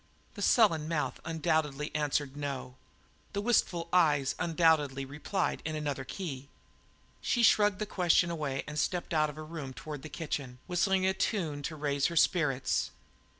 The sullen mouth undoubtedly answered "No"; the wistful eyes undoubtedly replied in another key. She shrugged the question away and stepped out of her room toward the kitchen, whistling a tune to raise her spirits.